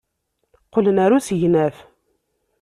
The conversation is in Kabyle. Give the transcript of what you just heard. Qqlen ɣer usegnaf.